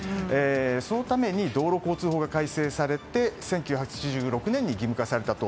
そのために道路交通法が改正されて１９８６年に義務化されたと。